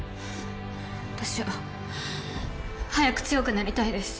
私は早く強くなりたいです。